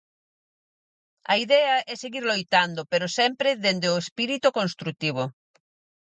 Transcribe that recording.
A idea é seguir loitando pero sempre dende "o espírito construtivo".